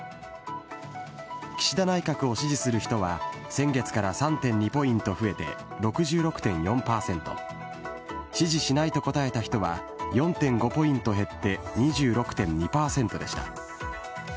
岸田内閣を支持する人は先月から３．２ポイント増えて、６６．４％、支持しないと答えた人は４．５ポイント減って２６．２％でした。